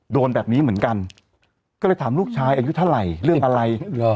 โดนแบบนี้เหมือนกันก็เลยถามลูกชายอายุเท่าไหร่เรื่องอะไร